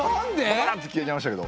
バッと消えちゃいましたけど。